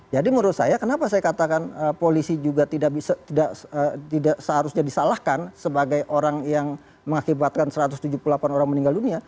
jadi menurut saya kenapa saya katakan polisi juga tidak seharusnya disalahkan sebagai orang yang mengakibatkan satu ratus tujuh puluh delapan orang meninggal dunia